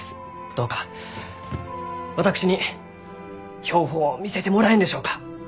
どうか私に標本を見せてもらえんでしょうか？